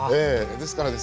ですからね